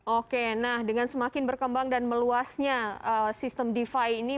oke nah dengan semakin berkembang dan meluasnya sistem defi ini